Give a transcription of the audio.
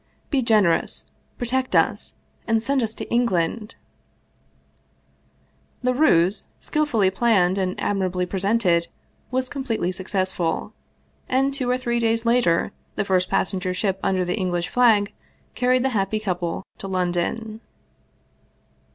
Be generous, protect us, and send us to England !" The ruse, skillfully planned and admirably presented, was completely successful, and two or three days later the first passenger ship under the English flag carried the happy couple to London.